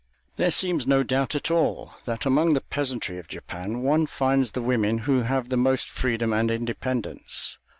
There seems no doubt at all that among the peasantry of Japan one finds the women who have the most freedom and independence.